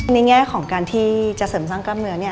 แง่ของการที่จะเสริมสร้างกล้ามเนื้อเนี่ย